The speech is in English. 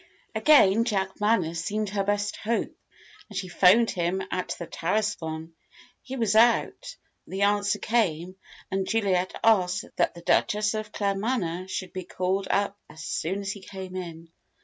Again Jack Manners seemed her best hope, and she 'phoned him at the Tarascon. He was out, the answer came, and Juliet asked that the Duchess of Claremanagh should be called up as soon as he came in.